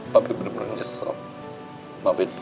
papi bener bener nyesel maafin papi